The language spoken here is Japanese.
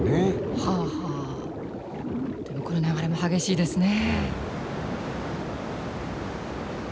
はあはあでもこの流れも激しいですね。